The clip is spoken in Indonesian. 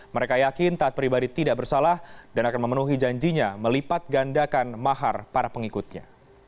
mereka yakin taat pribadi tidak bersalah dan akan memenuhi janjinya melipat gandakan mahar para pengikutnya